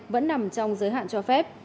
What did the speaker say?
vẫn nằm trong giới hạn cho phép